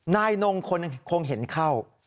นายนงคงเห็นเข้า